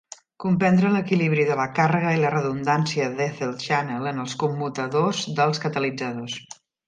Comprendre l'equilibri de la càrrega i la redundància d' EtherChannel en els commutadors dels catalitzadors.